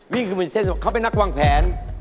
นี่คือเป็นเส้นของเขาเป็นนักวางแผน